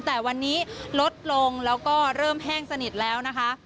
แต่วันนี้ลดลงแล้วก็เริ่มแห้งสนิทแล้วนะคะ